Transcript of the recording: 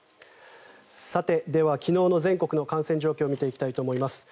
さて、では昨日の全国の感染状況を見ていきたいと思います。